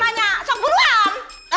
besar aja untuk teman teman